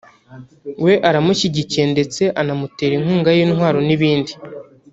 we aramushyigikiye ndetse anamutera inkunga y’intwaro n’ibindi